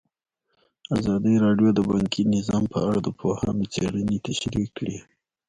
ازادي راډیو د بانکي نظام په اړه د پوهانو څېړنې تشریح کړې.